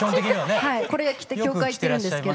これ着て教会行ってるんですけど。